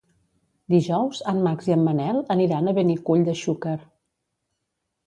Dijous en Max i en Manel aniran a Benicull de Xúquer.